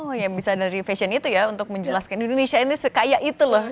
oh ya bisa dari fashion itu ya untuk menjelaskan indonesia ini sekaya itu loh